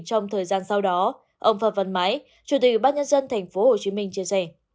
trong thời gian sau đó ông phạm văn mãi chủ tịch bác nhân dân tp hcm chia sẻ